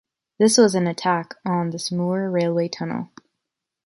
This was an attack on the Saumur railway tunnel.